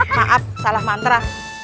maaf salah mantra